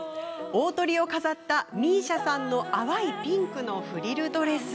大トリを飾ったＭＩＳＩＡさんの淡いピンクのフリルドレス。